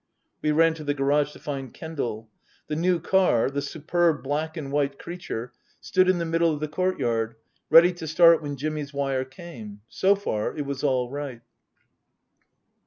We ran to the garage to find Kendal. The new car, the superb black and white creature, stood in the middle Book II : Her Book 235 of the courtyard, ready to start when Jimmy's wire came. So far it was all right.